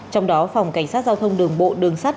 trong đó phòng cảnh sát giao thông đường bộ đường sắt